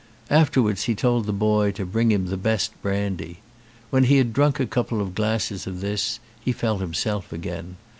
Afterwards he told the boy to bring him the best brandy. When he had drunk a couple of glasses of this he felt himself again.